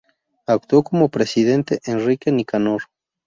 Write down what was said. Actuó como presidente Enrique Nicanor.